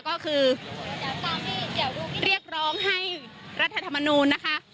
ก็คือเรียกร้องให้รัฐธรรมนูลนะคะ